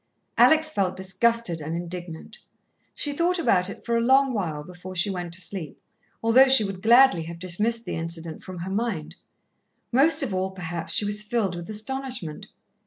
Alex felt disgusted and indignant. She thought about it for a long while before she went to sleep, although she would gladly have dismissed the incident from her mind. Most of all, perhaps, she was filled with astonishment.